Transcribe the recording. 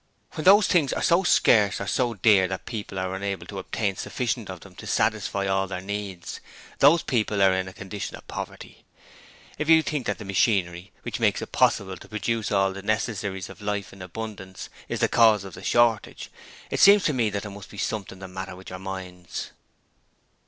When those things are so scarce or so dear that people are unable to obtain sufficient of them to satisfy all their needs, those people are in a condition of poverty. If you think that the machinery, which makes it possible to produce all the necessaries of life in abundance, is the cause of the shortage, it seems to me that there must be something the matter with your minds.'